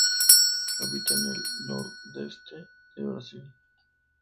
Habita en el nordeste del Brasil.